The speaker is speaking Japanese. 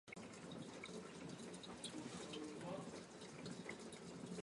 これがわからないことということ